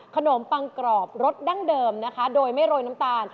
ปังกรอบรสดั้งเดิมนะคะโดยไม่โรยน้ำตาล